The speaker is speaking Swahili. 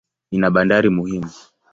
Ina bandari muhimu.